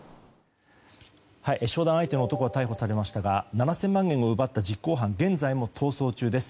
商談相手の男は逮捕されましたが７０００万円を奪った実行犯現在も逃走中です。